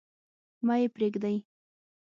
مه يې پريږدﺉ.